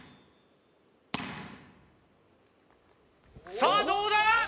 さあどうだ？